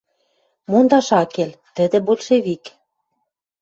Мондаш ак кел — тӹдӹ большевик.